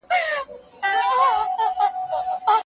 پولیفینول د زړه لپاره ګټور دي.